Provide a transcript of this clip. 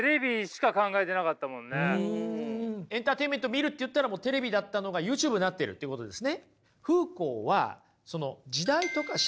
エンターテインメント見るって言ったらもうテレビだったのがＹｏｕＴｕｂｅになってるということですね。